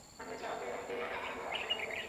আঙুলের ছাপের এ হলো আসল কাহিনী, ক্যাপ্টেন।